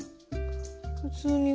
普通に。